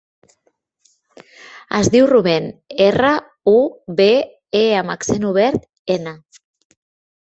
Es diu Rubèn: erra, u, be, e amb accent obert, ena.